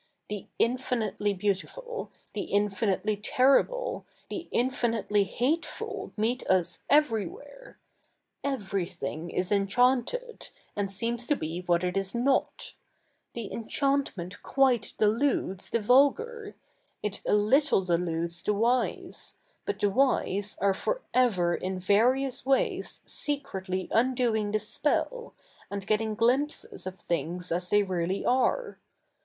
The infinitely beautiful, the infinitely terrible, the infi?iitely hateful meet us everywhe7r. Eve7y thing is enchanted, and see7ns to be what it is 7iot. The encha7it77ie7it quite deludes the vulgar ; it a little deludes the wise : but the wise a7'e for ever i/i various ivays secretly u7idoi7tg the spell, a/id getti7ig glimpses of things as they 7'eally a7'e.